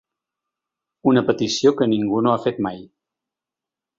Una petició que ningú no ha fet mai.